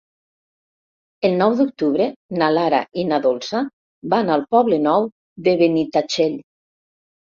El nou d'octubre na Lara i na Dolça van al Poble Nou de Benitatxell.